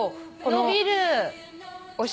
伸びる！